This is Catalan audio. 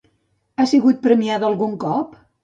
Ha sigut premiada algun cop?